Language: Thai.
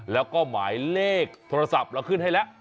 แล้วก็หมายเลขโทรศัพท์เราขึ้นให้แล้ว